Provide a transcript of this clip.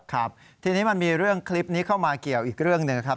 ครับทีนี้มันมีเรื่องคลิปนี้เข้ามาเกี่ยวอีกเรื่องหนึ่งนะครับ